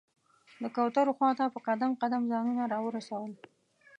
د کوترو خواته په قدم قدم ځانونه راورسول.